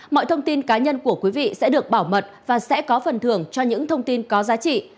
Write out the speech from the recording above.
mọi thông tin cá nhân của quý vị sẽ được bảo mật và sẽ có phần thưởng cho những thông tin có giá trị